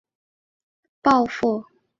使幸存者之一的路霸发誓要帮公爵报仇。